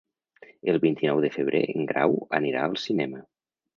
El vint-i-nou de febrer en Grau anirà al cinema.